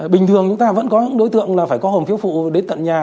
bình thường chúng ta vẫn có đối tượng là phải có hồn phiếu phụ đến tận nhà